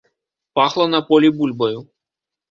Пахла на полі бульбаю.